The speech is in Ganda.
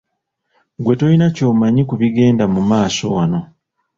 Gwe toyina ky'omanyi ku bigenda mu maaso wano.